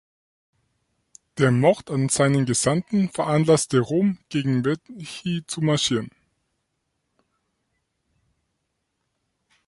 Der Mord an seinen Gesandten veranlasste Rom, gegen Veji zu marschieren.